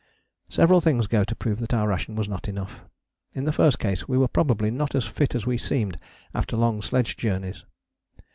Several things go to prove that our ration was not enough. In the first case we were probably not as fit as we seemed after long sledge journeys.